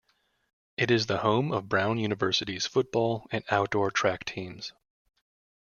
It is the home of Brown University's football and outdoor track teams.